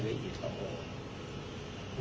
อย่างที่บอกครบเส้นผม